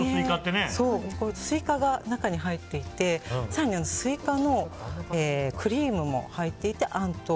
スイカが中に入っていて更にスイカのクリームも入っていて。